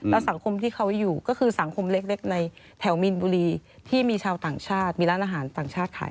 แล้วสังคมที่เขาอยู่ก็คือสังคมเล็กในแถวมีนบุรีที่มีชาวต่างชาติมีร้านอาหารต่างชาติขาย